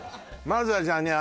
まずはじゃあね